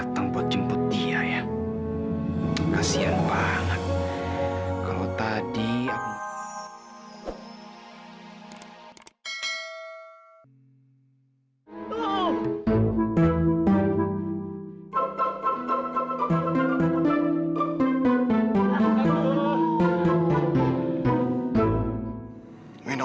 sampai jumpa di video selanjutnya